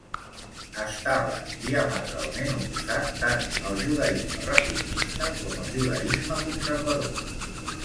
Estava diametralment oposat tant al judaisme reformista, com al judaisme conservador.